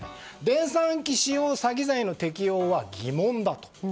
電算機使用詐欺の適用は疑問だと。